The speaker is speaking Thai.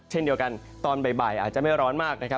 เช่นเดียวกันตอนบ่ายอาจจะไม่ร้อนมากนะครับ